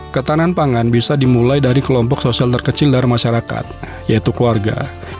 ketahanan pangan bisa dimulai dari kelompok sosial terkecil dari masyarakat yaitu keluarga